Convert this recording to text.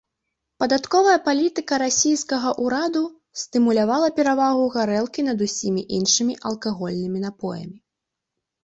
Падатковая палітыка расійскага ўраду стымулявала перавагу гарэлкі над усімі іншымі алкагольнымі напоямі.